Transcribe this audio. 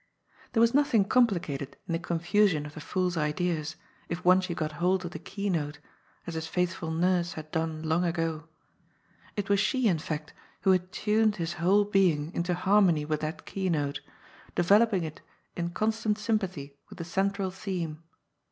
There was nothing complicated in the confusion of the fool's ideas, if once you got hold of the keynote, as his faithful nurse had done long ago. It was she, in fact, who had tuned his whole being into harmony with that key note, developing it in constant sympathy with the central theme.